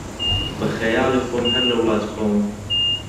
بە خەیاڵی خۆم، هەر لە وڵاتی خۆمم